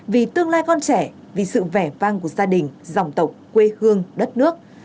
vì tương lai con trẻ vì sự vẻ vang của gia đình dòng tộc quê hương đất nước